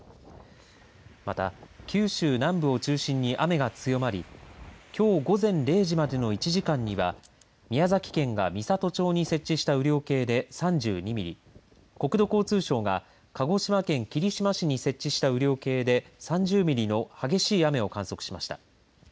また九州南部を中心に雨が強まりきょう午前０時までの１時間には宮崎県が美郷町に設置した雨量計で３２ミリ国土交通省が鹿児島県霧島市に設置した雨量計で３０ミリの激しい雨を観測しました。